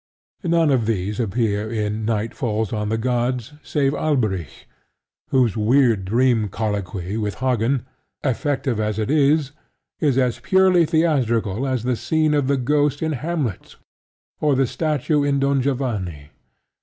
None of these appear in Night Falls On The Gods save Alberic, whose weird dream colloquy with Hagen, effective as it is, is as purely theatrical as the scene of the Ghost in Hamlet, or the statue in Don Giovanni.